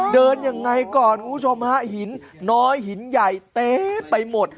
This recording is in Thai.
เดินอย่างไรก่อนมรุวชมฮะหินน้อยหินใหญ่เต๋ไปหมด